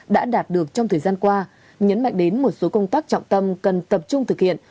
đã đạt được trong thời gian qua nhấn mạnh đến một số công tác trọng tâm cần tập trung thực hiện